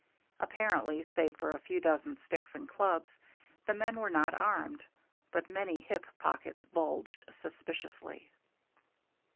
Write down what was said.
Apparently, save for a few dozen sticks and clubs, the men were not armed, but many hip pockets bulged suspiciously.